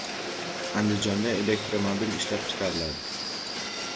Andijonda elektromobil ishlab chiqariladi